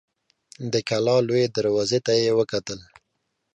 د کلا لويي دروازې ته يې وکتل.